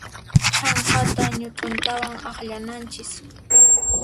Chhanqanta ñut'untawan akllananchis.